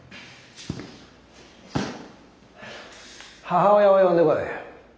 母親を呼んでこい。